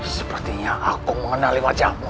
sepertinya aku mengenali wajahmu